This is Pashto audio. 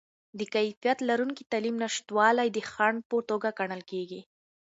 د کیفیت لرونکې تعلیم نشتوالی د خنډ په توګه ګڼل کیږي.